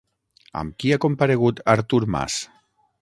Amb qui ha comparegut Artur Mas?